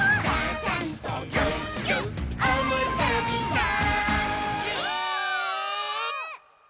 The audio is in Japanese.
「ちゃちゃんとぎゅっぎゅっおむすびちゃん」